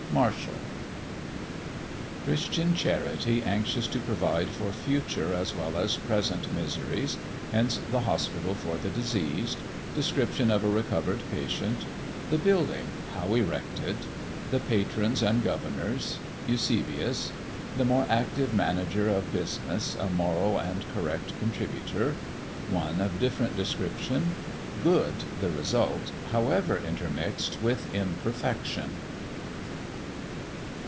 MARTIAL. THE HOSPITAL AND GOVERNORS. Christian Charity anxious to provide for future as well as present Miseries Hence the Hospital for the Diseased Description of a recovered Patient The Building: how erected The Patrons and Governors Eusebius The more active Manager of Business, a moral and correct Contributor One of different Description Good, the Result, however intermixed with Imperfection.